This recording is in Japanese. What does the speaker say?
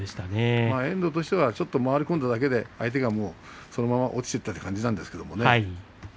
遠藤としてはちょっと回り込んだだけで相手がそのまま落ちていった感じになりました。